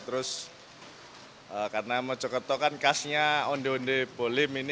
terus karena mojokerto kan khasnya onde onde bolim ini